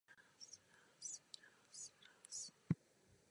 Vystudoval Evangelickou teologickou fakultu Univerzity Karlovy.